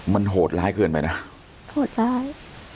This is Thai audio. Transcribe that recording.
มันโหดร้ายเกินไปนะโหดร้าย